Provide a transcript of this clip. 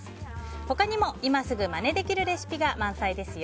他にも今すぐまねできるレシピが満載ですよ。